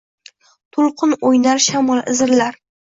To‘lqin o‘ynar, shamol izillar